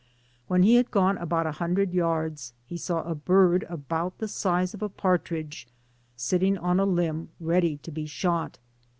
When he had gone about a hundred yards he saw a bird about the size of a par tridge sitting on a limb ready to be shot.